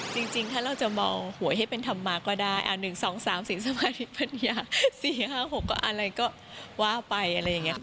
จริงถ้าเราจะมองหวยให้เป็นธรรมาก็ได้๑๒๓๔สมาธิปัญญา๔๕๖ก็อะไรก็ว่าไปอะไรอย่างนี้ค่ะ